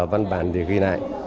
văn bản thì ghi lại